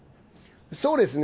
そうですね。